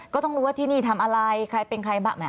ก็ต้องรู้ว่าที่นี่ทำอะไรใครเป็นใครบ้าง